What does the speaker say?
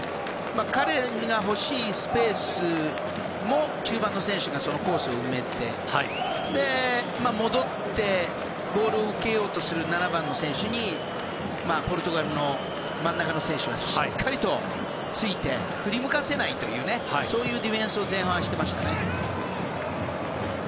彼が欲しいスペースも中盤の選手がそのコースを埋めて戻ってボールを受けようとする７番の選手にポルトガルの真ん中の選手がしっかりとついて振り向かせないというそういうディフェンスを前半はしてましたね。